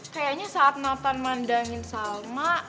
kayaknya saat nonton mandangin salma